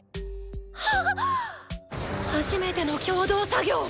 はっ初めての共同作業！